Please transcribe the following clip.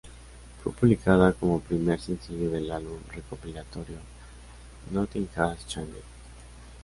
Fue publicada como primer sencillo del álbum recopilatorio "Nothing Has Changed".